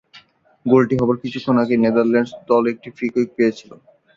গোলটি হবার কিছুক্ষণ আগে নেদারল্যান্ডস দল একটি ফ্রি কিক পেয়েছিলো।